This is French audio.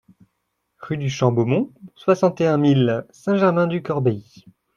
Rue du Champ Beaumont, soixante et un mille Saint-Germain-du-Corbéis